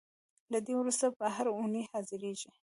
له دې وروسته به هر اوونۍ حاضرېږو.